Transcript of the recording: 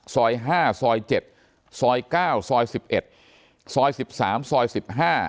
ซอยห้าซอยเจ็ดซอยเก้าซอยสิบเอ็ดซอยสิบสามซอยสิบห้า